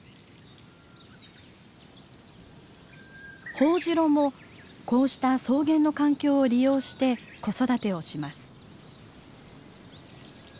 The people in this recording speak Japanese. ホオジロもこうした草原の環境を利用して子育てをします。